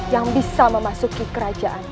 yang bisa memasuki kerajaan